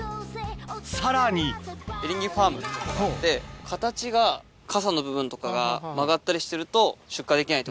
さらにエリンギファームで形が傘の部分とかが曲がったりしてると出荷できない。